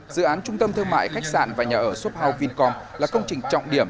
dự án trung tâm thương mại khách sạn và nhà ở shop house vincom là công trình trọng điểm